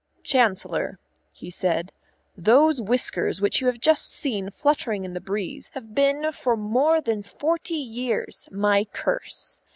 "Chancellor," he said, "those whiskers which you have just seen fluttering in the breeze have been for more than forty years my curse.